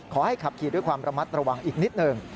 ขับขี่ด้วยความระมัดระวังอีกนิดหนึ่ง